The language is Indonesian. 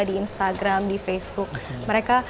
di instagram di facebook mereka